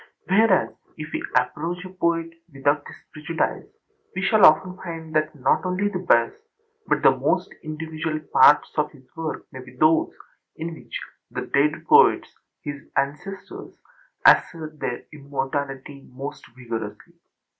Whereas if we approach a poet without his prejudice we shall often find that not only the best, but the most individual parts of his work may be those in which the dead poets, his ancestors, assert their immortality most vigorously.